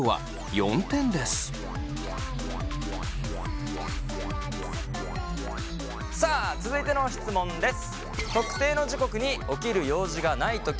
まずはさあ続いての質問です！